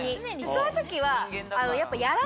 そういう時は。